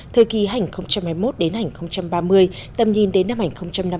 thời kỳ hành hai mươi một đến hành ba mươi tầm nhìn đến năm hành năm mươi